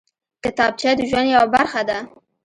کتابچه د ژوند یوه برخه ده